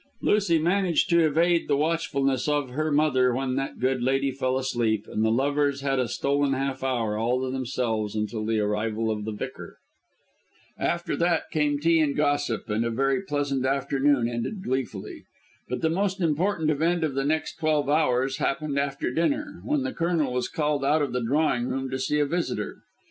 Lucy managed to evade the watchfulness of her mother when that good lady fell asleep, and the lovers had a stolen half hour all to themselves until the arrival of the vicar. After that came tea and gossip, and a very pleasant afternoon ended gleefully. But the most important event of the next twelve hours happened after dinner, when the Colonel was called out of the drawing room to see a visitor.